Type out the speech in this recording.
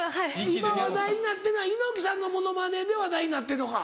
今話題になってるのは猪木さんのモノマネで話題になってるのか。